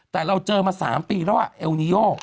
แต่เราเจอมา๓ปีแล้วเอลนิโย